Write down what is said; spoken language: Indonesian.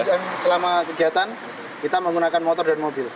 untuk menunjang selama kegiatan kita menggunakan motor dan mobil